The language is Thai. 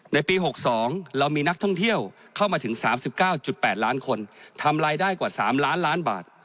ในปี๖๒เรามีนักท่องเที่ยวเข้ามาถึง๓๙๘ล้านคนทำรายได้กว่า๓ล้านล้านบาท